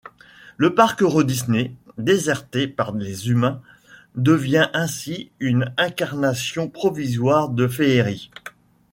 Le parc Eurodisney, déserté par les humains, devient ainsi une incarnation provisoire de Féerie.